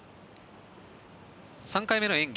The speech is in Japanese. ３回目の演技